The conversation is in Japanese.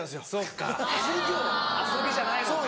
遊びじゃないもんね。